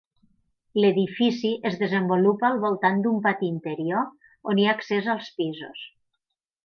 L'edifici es desenvolupa al voltant d'un pati interior on hi ha accés als pisos.